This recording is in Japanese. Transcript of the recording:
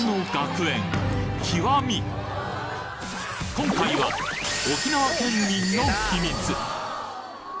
今回は沖縄県民の秘密